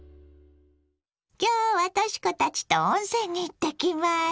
今日はとし子たちと温泉に行ってきます。